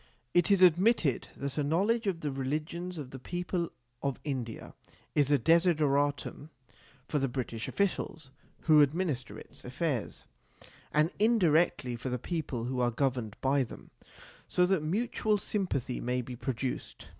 It is admitted that a knowledge of the religions of the people of India is a desideratum for the British Officials who administer its affairs and indirectly for the people who are governed by them so that mutual sympathy may be produced.